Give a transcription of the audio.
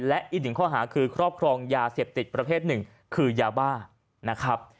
และอีกหนึ่งข้อหาคือครอบครองยาเสพติดประเภทหนึ่งคือยาบ้านะครับ